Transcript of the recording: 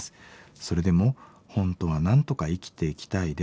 それでも本当はなんとか生きていきたいです。